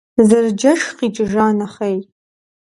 Зэрыджэшх къикӏыжа нэхъей.